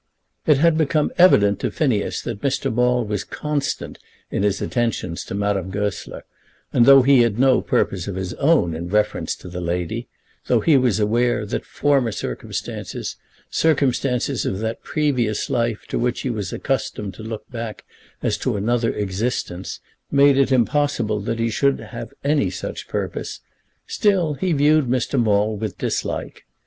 It had become evident to Phineas that Mr. Maule was constant in his attentions to Madame Goesler; and, though he had no purpose of his own in reference to the lady, though he was aware that former circumstances, circumstances of that previous life to which he was accustomed to look back as to another existence, made it impossible that he should have any such purpose, still he viewed Mr. Maule with dislike.